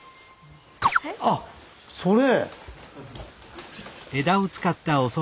あっそれ！